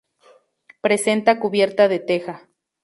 Presenta cubierta de teja.